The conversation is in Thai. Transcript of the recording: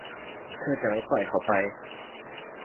เธอจะไม่ปล่อยให้เขาไป